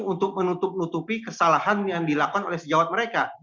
untuk menutup nutupi kesalahan yang dilakukan oleh sejawat mereka